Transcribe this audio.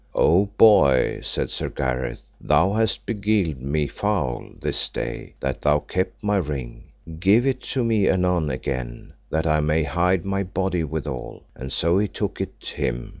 O boy, said Sir Gareth, thou hast beguiled me foul this day that thou kept my ring; give it me anon again, that I may hide my body withal; and so he took it him.